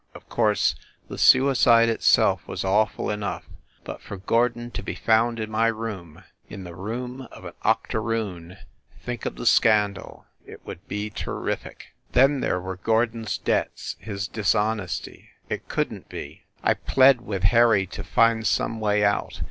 Of course, the sui cide itself was awful enough; but for Gordon to be found in my room, in the room of an octoroon! Think of the scandal ! It would be terrific !... SCHEFFEL HALL 37 Then, there were Gordon s debts, his dishonesty. ... It couldn t be. I plead with Harry to find some way out.